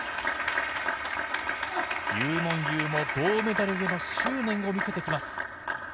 ユー・モンユーも銅メダルへの執念を見せてきます。